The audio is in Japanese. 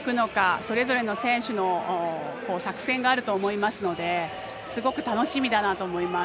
それぞれの選手の作戦があると思いますのですごく楽しみだなと思います。